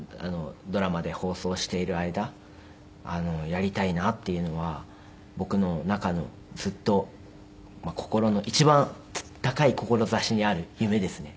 ドラマで放送している間やりたいなっていうのは僕の中のずっと心の一番高い志にある夢ですね。